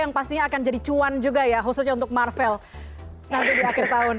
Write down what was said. yang pastinya akan jadi cuan juga ya khususnya untuk marvel nanti di akhir tahun